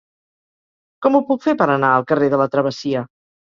Com ho puc fer per anar al carrer de la Travessia?